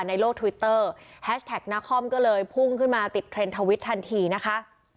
ในโลกทวิตเตอร์แฮชแท็กนาคอมก็เลยพุ่งขึ้นมาติดเทรนด์ทวิตทันทีนะคะ